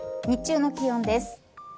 日中の気温です。